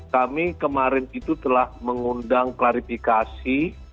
kami kemarin itu telah mengundang klarifikasi